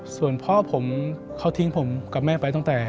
ส่วนพ่อผมเขาทิ้งผมกับแม่ไปตั้งแต่